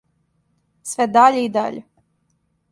Све даље и даље.